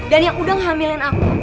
dan yang udah ngehamilin aku